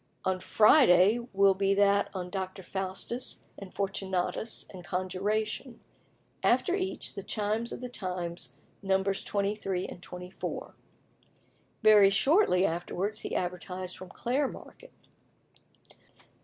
"On Friday will be that on Dr. Faustus and Fortunatus and conjuration. After each the Chimes of the Times, Nos. 23 and 24." Very shortly afterwards he advertised from Clare Market: 1.